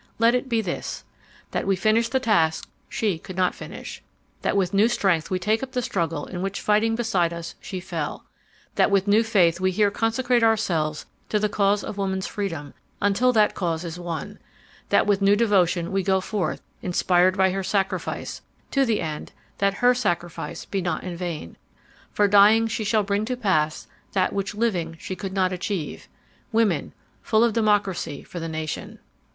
Let it be this: that we finish the task she could not finish; that with new strength we take up the struggle in which fighting beside us she fell; that with new faith we here consecrate ourselves to the cause of woman's freedom until that cause is won; that with new devotion we go forth, inspired by her sacrifice, to the end that her sacrifice be not in vain, for dying she shall bring to pass that which living she could not achieve—full freedom for women, full democracy for the nation.